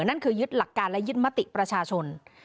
นั่นคือยึดหลักการและยึดมติประชาชน